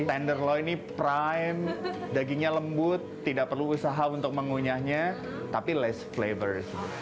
tenderlow ini prime dagingnya lembut tidak perlu usaha untuk mengunyahnya tapi less flavor